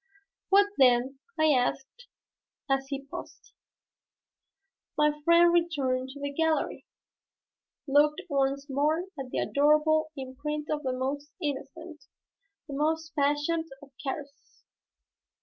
"What then?" I asked, as he paused. "My friend returned to the gallery, looked once more at the adorable imprint of the most innocent, the most passionate of caresses.